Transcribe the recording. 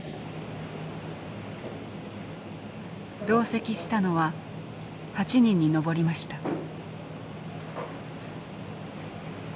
同席したのは８人に上りました。